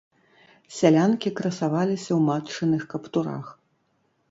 Сялянкі красаваліся ў матчыных каптурах.